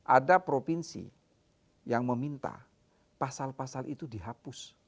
ada provinsi yang meminta pasal pasal itu dihapus